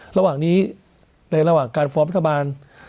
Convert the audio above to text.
ระหว่างนี้ในระหว่างการฟอร์มรัฐบาล